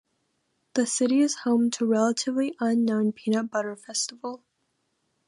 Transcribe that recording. The city is home to a relatively unknown Peanut Butter Festival.